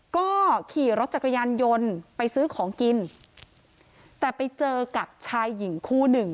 ก็ขี่รถจักรยานยนต์ไปซื้อของกินแต่ไปเจอกับชายหญิงคู่หนึ่ง